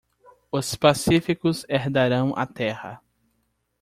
Os pacíficos herdarão a terra.